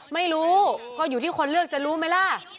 ไม่รู้ก็อยู่ที่คนเลือกจะรู้ไหมล่ะ